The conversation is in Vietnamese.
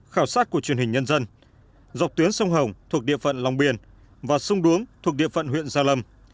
khảo sát của truyền hình nhân dân dọc tuyến sông hồng thuộc địa phận long biên và sông đuống thuộc địa phận huyện gia lâm